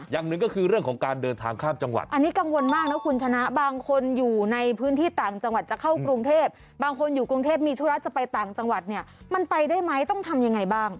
อย่างหนึ่งก็คือเรื่องของการเดินทางข้ามจังหวัดอันนี้กังวลมากนะคุณชนะบางคนอยู่ในพื้นที่ต่างจังหวัดจะเข้ากรุงเทพบางคนอยู่กรุงเทพมีธุระจะไปต่างจังหวัดเนี่ยมันไปได้ไหมต้องทำยังไงบ้าง